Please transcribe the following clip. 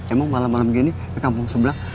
emang malem malem gini ke kampung sebelah